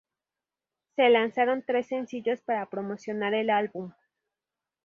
Se lanzaron tres sencillos para promocionar el álbum.